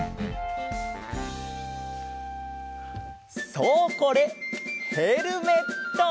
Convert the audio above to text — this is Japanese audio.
そうこれヘルメット！